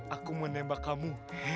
aku mau tembak kamu